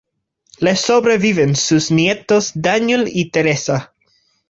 Le sobreviven sus nietos Daniel y Teresa.